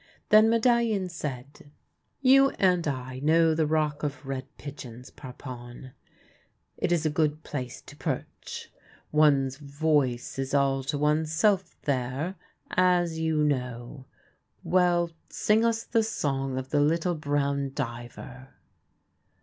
Then Medallion said, " You and I know the Rock of Red Pigeons, Parpon. It is a good place to 222 THE LANE THAT HAD NO TURNING perch. One's voice is all to one's self there, as you know. Weir, sing us the song of the little brown diver."